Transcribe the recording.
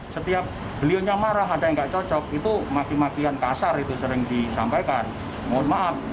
setiap belionya marah ada yang gak cocok itu makin makin kasar itu sering disampaikan mohon maaf